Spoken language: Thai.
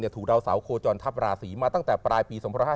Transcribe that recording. ถูเราเสาโคจรทรัพย์ราษีมาตั้งแต่ปลายปี๒๑๕๗